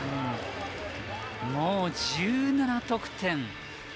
もう１７得点。